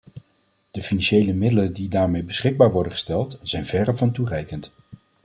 De financiële middelen die daarmee beschikbaar worden gesteld zijn verre van toereikend.